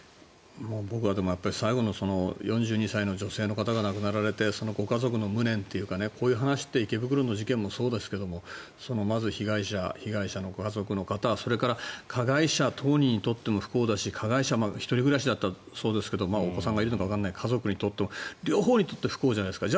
僕は最後の４２歳の女性の方が亡くなられてそのご家族の無念というかこういう話って池袋の事件もそうですがまず被害者、被害者のご家族の方それから加害者当人にとっても不幸だし加害者１人暮らしだったらそうですがお子さんがいるのかわからない家族にとっても両方にとって不幸じゃないですか。